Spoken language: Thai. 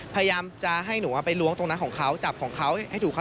พยายามจะให้หนูไปล้วงตรงนั้นของเขาจับของเขาให้ถูกเขา